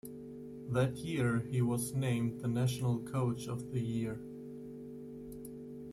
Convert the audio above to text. That year he was named the national coach of the year.